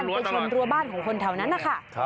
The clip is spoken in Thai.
ไปชนรัวบ้านของคนแถวนั้นนะคะ